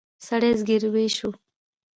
سړي زګېروی شو.